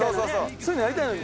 そういうのやりたいのに。